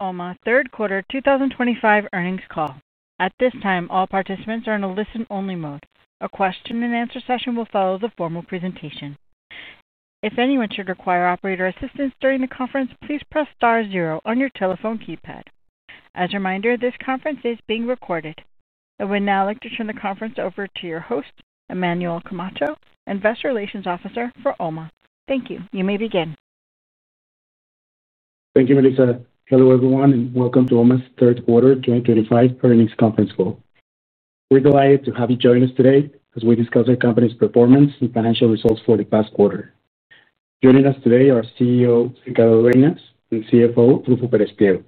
Call mode third quarter 2025 earnings call. At this time, all participants are in a listen-only mode. A question and answer session will follow the formal presentation. If anyone should require operator assistance during the conference, please press star zero on your telephone keypad. As a reminder, this conference is being recorded. I would now like to turn the conference over to your host, Emmanuel Camacho, Investor Relations Officer for OMA. Thank you. You may begin. Thank you, Melissa. Hello, everyone, and welcome to OMA's third quarter 2025 earnings conference call. We're delighted to have you join us today as we discuss our company's performance and financial results for the past quarter. Joining us today are CEO Ricardo Dueñas, and CFO Ruffo Pérez Pliego.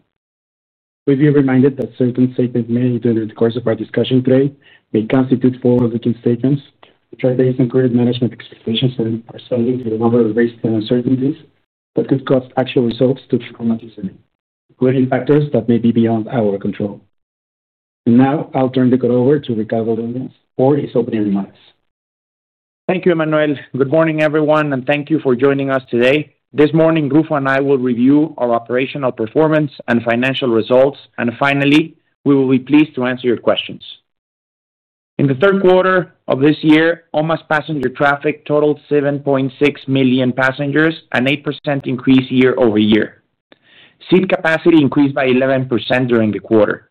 Please be reminded that certain statements made during the course of our discussion today may constitute forward-looking statements to increase management expectations and responding to the number of risks and uncertainties that could cause actual results to be unnecessary, including factors that may be beyond our control. Now, I'll turn the call over to Ricardo Dueñas for his opening remarks. Thank you, Emmanuel. Good morning, everyone, and thank you for joining us today. This morning, Ruffo and I will review our operational performance and financial results, and finally, we will be pleased to answer your questions. In the third quarter of this year, OMA's passenger traffic totaled 7.6 million passengers, an 8% increase year over year. Seat capacity increased by 11% during the quarter.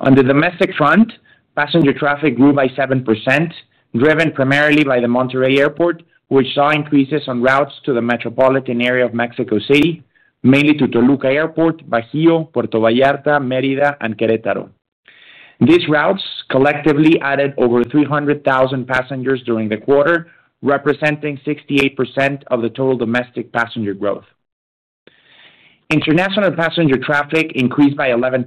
On the domestic front, passenger traffic grew by 7%, driven primarily by the Monterrey Airport, which saw increases on routes to the metropolitan area of Mexico City, mainly to Toluca Airport, Bajio, Puerto Vallarta, Mérida, and Querétaro. These routes collectively added over 300,000 passengers during the quarter, representing 68% of the total domestic passenger growth. International passenger traffic increased by 11%,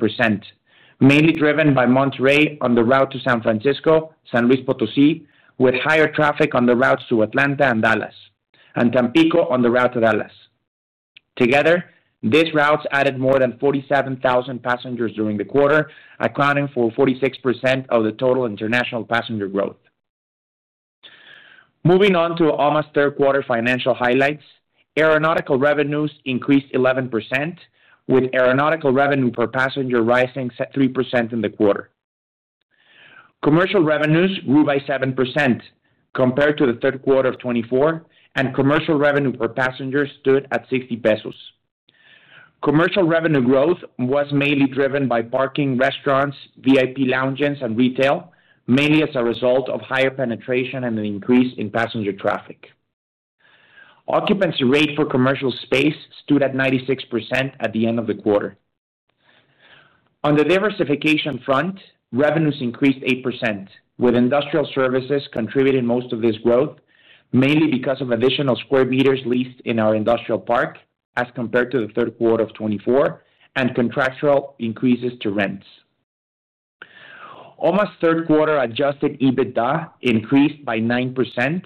mainly driven by Monterrey on the route to San Francisco, San Luis Potosí, with higher traffic on the routes to Atlanta and Dallas, and Tampico on the route to Dallas. Together, these routes added more than 47,000 passengers during the quarter, accounting for 46% of the total international passenger growth. Moving on to OMA's third quarter financial highlights, aeronautical revenues increased 11%, with aeronautical revenue per passenger rising 3% in the quarter. Commercial revenues grew by 7% compared to the third quarter of 2024, and commercial revenue per passenger stood at 60 pesos. Commercial revenue growth was mainly driven by parking, restaurants, VIP lounges, and retail, mainly as a result of higher penetration and an increase in passenger traffic. Occupancy rate for commercial space stood at 96% at the end of the quarter. On the diversification front, revenues increased 8%, with industrial services contributing most of this growth, mainly because of additional square meters leased in our industrial park as compared to the third quarter of 2024 and contractual increases to rents. OMA's third quarter adjusted EBITDA increased by 9%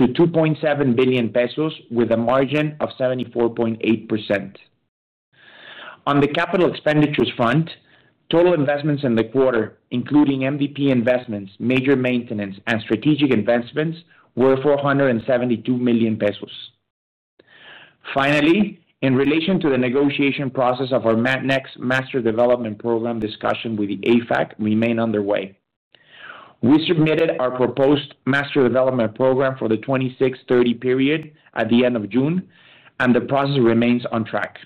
to 2.7 billion pesos, with a margin of 74.8%. On the capital expenditures front, total investments in the quarter, including MDP investments, major maintenance, and strategic investments, were 472 million pesos. Finally, in relation to the negotiation process of our next Master Development Program discussion with the AFAC, we remain underway. We submitted our proposed Master Development Program for the 2026/2030 period at the end of June, and the process remains on track.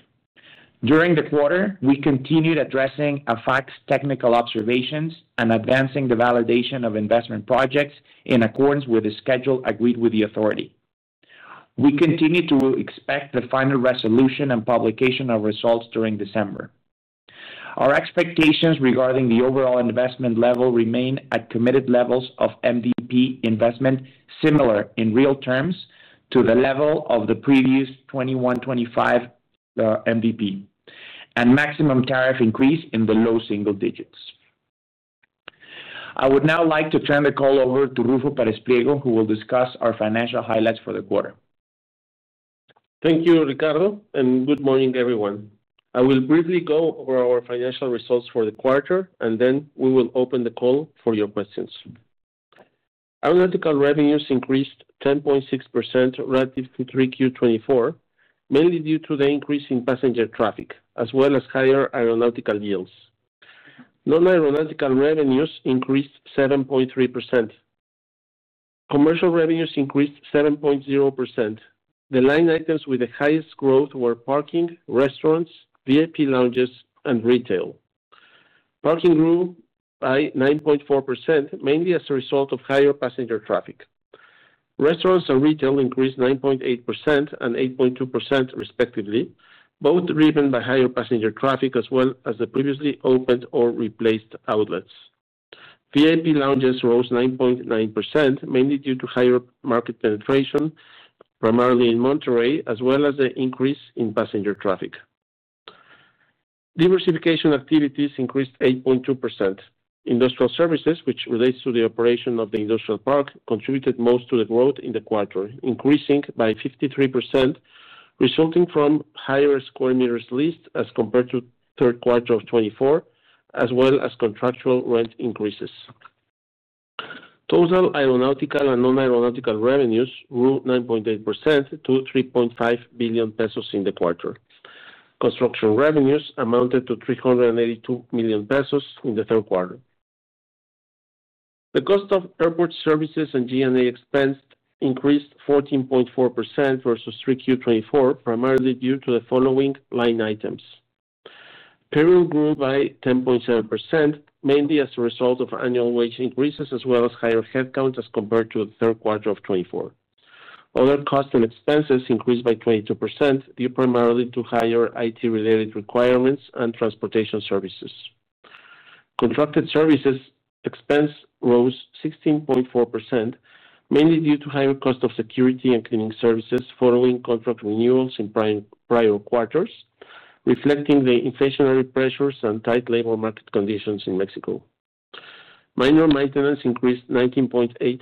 During the quarter, we continued addressing AFAC's technical observations and advancing the validation of investment projects in accordance with the schedule agreed with the authority. We continue to expect the final resolution and publication of results during December. Our expectations regarding the overall investment level remain at committed levels of MDP investment, similar in real terms to the level of the previous 2021/2025 MDP, and maximum tariff increase in the low single digits. I would now like to turn the call over to Ruffo Pérez Pliego, who will discuss our financial highlights for the quarter. Thank you, Ricardo, and good morning, everyone. I will briefly go over our financial results for the quarter, and then we will open the call for your questions. Aeronautical revenues increased 10.6% relative to 3Q2024, mainly due to the increase in passenger traffic, as well as higher aeronautical yields. Non-aeronautical revenues increased 7.3%. Commercial revenues increased 7.0%. The line items with the highest growth were parking, restaurants, VIP lounges, and retail. Parking grew by 9.4%, mainly as a result of higher passenger traffic. Restaurants and retail increased 9.8% and 8.2%, respectively, both driven by higher passenger traffic as well as the previously opened or replaced outlets. VIP lounges rose 9.9%, mainly due to higher market penetration, primarily in Monterrey, as well as the increase in passenger traffic. Diversification activities increased 8.2%. Industrial services, which relates to the operation of the industrial park, contributed most to the growth in the quarter, increasing by 53%, resulting from higher square meters leased as compared to the third quarter of 2024, as well as contractual rent increases. Total aeronautical and non-aeronautical revenues grew 9.8% to 3.5 billion pesos in the quarter. Construction revenues amounted to 382 million pesos in the third quarter. The cost of airport services and G&A expense increased 14.4% versus 3Q2024, primarily due to the following line items. Payroll grew by 10.7%, mainly as a result of annual wage increases, as well as higher headcount as compared to the third quarter of 2024. Other costs and expenses increased by 22%, due primarily to higher IT-related requirements and transportation services. Contracted services expense rose 16.4%, mainly due to higher costs of security and cleaning services following contract renewals in prior quarters, reflecting the inflationary pressures and tight labor market conditions in Mexico. Minor maintenance increased 19.8%,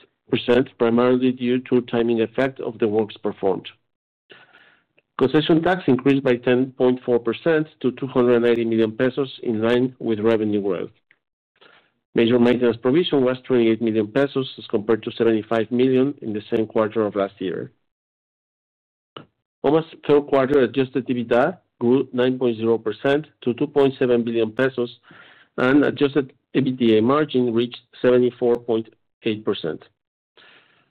primarily due to the timing effect of the works performed. Concession tax increased by 10.4% to 280 million pesos, in line with revenue growth. Major maintenance provision was 28 million pesos, as compared to 75 million in the same quarter of last year. OMA's third quarter adjusted EBITDA grew 9.0% to 2.7 billion pesos, and adjusted EBITDA margin reached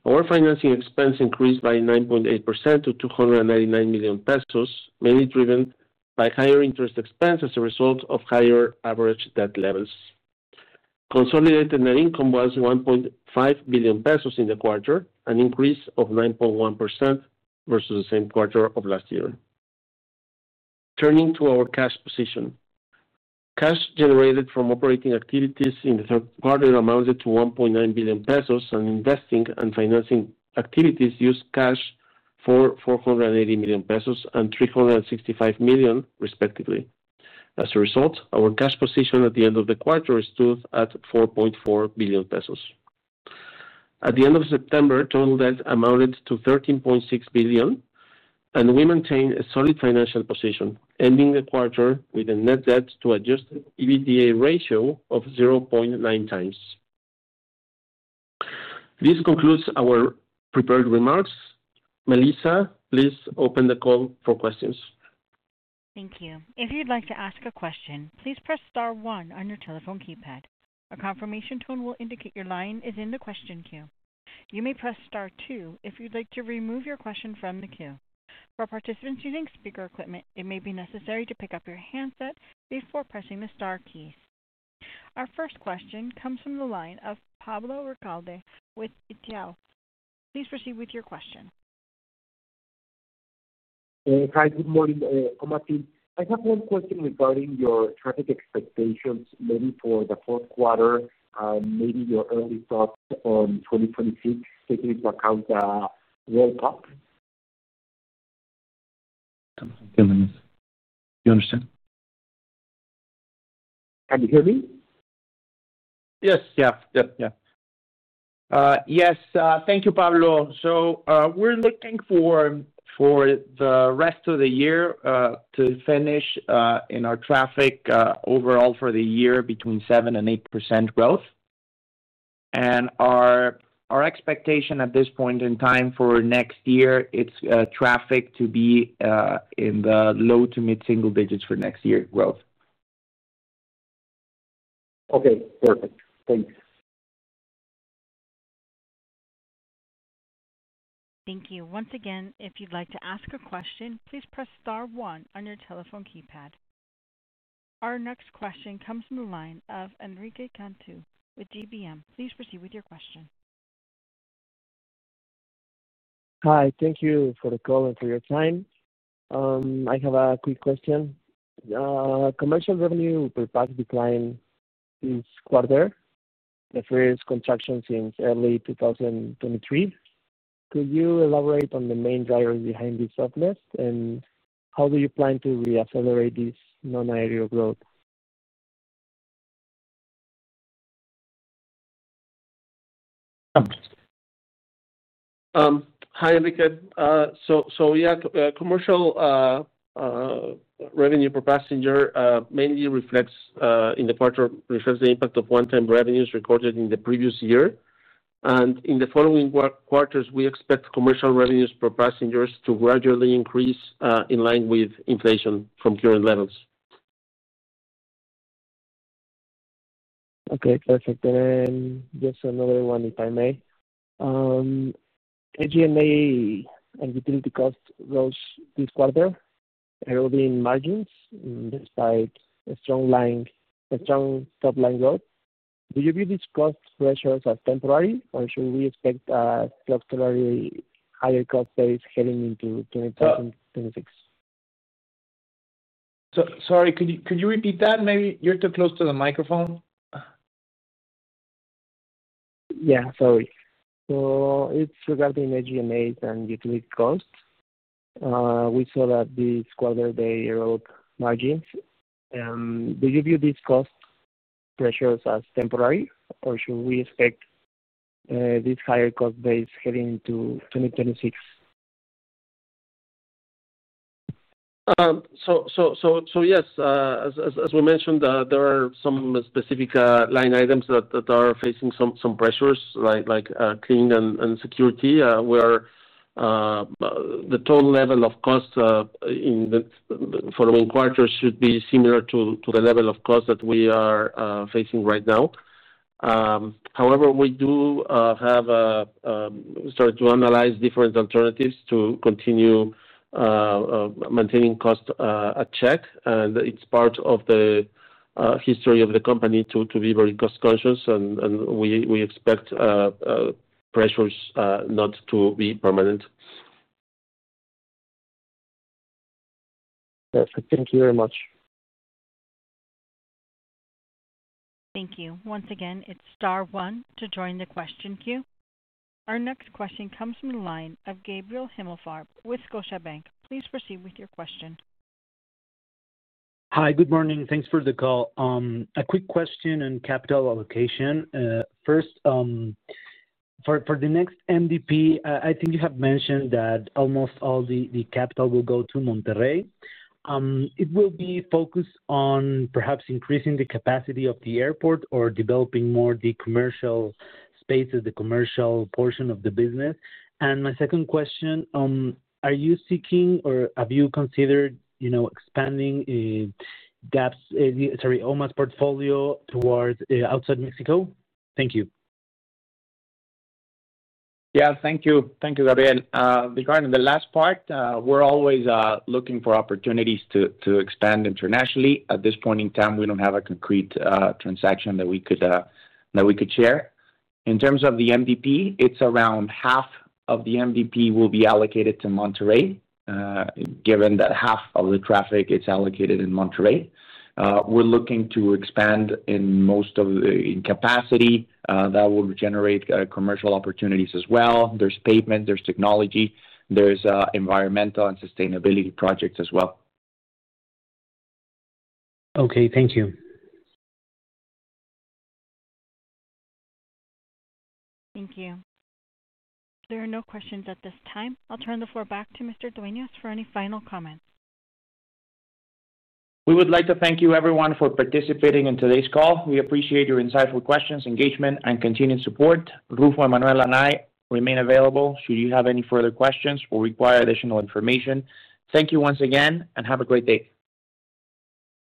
74.8%. Our financing expense increased by 9.8% to 299 million pesos, mainly driven by higher interest expense as a result of higher average debt levels. Consolidated net income was 1.5 billion pesos in the quarter, an increase of 9.1% versus the same quarter of last year. Turning to our cash position, cash generated from operating activities in the third quarter amounted to 1.9 billion pesos, and investing and financing activities used cash for 480 million pesos and 365 million, respectively. As a result, our cash position at the end of the quarter stood at 4.4 billion pesos. At the end of September, total debt amounted to 13.6 billion, and we maintained a solid financial position, ending the quarter with a net debt to adjusted EBITDA ratio of 0.9x. This concludes our prepared remarks. Melissa, please open the call for questions. Thank you. If you'd like to ask a question, please press star one on your telephone keypad. A confirmation tone will indicate your line is in the question queue. You may press star two if you'd like to remove your question from the queue. For participants using speaker equipment, it may be necessary to pick up your handset before pressing the star keys. Our first question comes from the line of Pablo Ricalde with Itaú. Please proceed with your question. Hi, good morning, OMA team. I have one question regarding your traffic expectations, maybe for the fourth quarter, and maybe your early thoughts on 2026, taking into account the roll up. Okay, let me see. Do you understand? Can you hear me? Thank you, Pablo. We're looking for the rest of the year to finish in our traffic overall for the year between 7% and 8% growth. Our expectation at this point in time for next year is traffic to be in the low to mid-single digits for next year's growth. Okay, perfect. Thanks. Thank you. Once again, if you'd like to ask a question, please press star one on your telephone keypad. Our next question comes from the line of Enrique Cantu with DBM. Please proceed with your question. Hi, thank you for the call and for your time. I have a quick question. Commercial revenue per passenger decline is quite there. The first contraction since early 2023. Could you elaborate on the main drivers behind this softness, and how do you plan to re-accelerate this non-aerial growth? Hi, Enrique. Commercial revenue per passenger mainly reflects, in the quarter, the impact of one-time revenues recorded in the previous year. In the following quarters, we expect commercial revenues per passenger to gradually increase, in line with inflation from current levels. Okay, perfect. Just another one, if I may. AG&E and utility costs rose this quarter, eroding margins despite a strong top-line growth. Do you view these cost pressures as temporary, or should we expect a structurally higher cost phase heading into 2026? Sorry, could you repeat that? Maybe you're too close to the microphone. Yeah, sorry. It's regarding AG&E and utility costs. We saw that this quarter they erode margins. Do you view these cost pressures as temporary, or should we expect this higher cost phase heading into 2026? Yes, as we mentioned, there are some specific line items that are facing some pressures, like cleaning and security, where the total level of cost in the following quarters should be similar to the level of cost that we are facing right now. However, we do have a started to analyze different alternatives to continue maintaining cost at check, and it's part of the history of the company to be very cost-conscious, and we expect pressures not to be permanent. Perfect. Thank you very much. Thank you. Once again, it's star one to join the question queue. Our next question comes from the line of Gabriel Himmelfarb with Scotiabank. Please proceed with your question. Hi, good morning. Thanks for the call. A quick question on capital allocation. First, for the next MDP, I think you have mentioned that almost all the capital will go to Monterrey. It will be focused on perhaps increasing the capacity of the airport or developing more the commercial space of the commercial portion of the business. My second question, are you seeking or have you considered, you know, expanding OMA's portfolio towards outside Mexico? Thank you. Yeah, thank you. Thank you, Gabriel. Regarding the last part, we're always looking for opportunities to expand internationally. At this point in time, we don't have a concrete transaction that we could share. In terms of the MDP, it's around half of the MDP will be allocated to Monterrey, given that half of the traffic is allocated in Monterrey. We're looking to expand in most of the capacity that will generate commercial opportunities as well. There's pavement, there's technology, there's environmental and sustainability projects as well. Okay, thank you. Thank you. There are no questions at this time. I'll turn the floor back to Mr. Dueñas for any final comments. We would like to thank you, everyone, for participating in today's call. We appreciate your insightful questions, engagement, and continued support. Ruffo, Emmanuel, and I remain available should you have any further questions or require additional information. Thank you once again, and have a great day.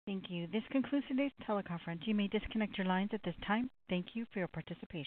Thank you. This concludes today's teleconference. You may disconnect your lines at this time. Thank you for your participation.